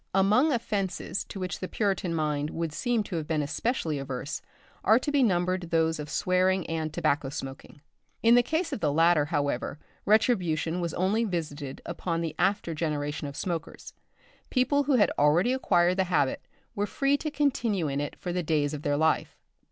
Among offences to which the Puritan mind would seem to have been especially averse are to be numbered those of swearing and tobacco smoking. In the case of the latter, however, retribution was only visited upon the after generation of smokers. People who had already acquired the habit were free to continue in it for the days of their life.